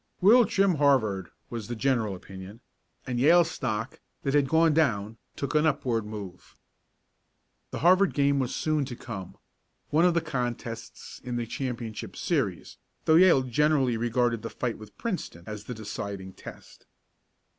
"We'll trim Harvard!" was the general opinion, and Yale stock, that had gone down, took an upward move. The Harvard game was soon to come one of the contests in the championship series, though Yale generally regarded the fight with Princeton as the deciding test.